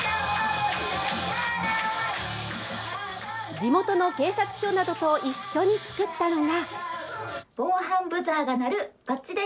地元の警察署などと一緒に作ったのが。